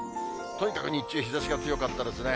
とにかく日中、日ざしが強かったですね。